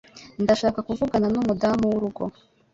Ndashaka kuvugana numudamu wurugo.